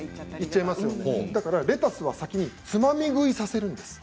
だからレタスは先につまみ食いをさせるんです。